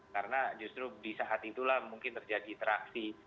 karena justru di saat itulah mungkin terjadi interaksi